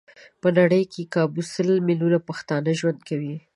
په نړۍ کې کابو سل ميليونه پښتانه ژوند کوي.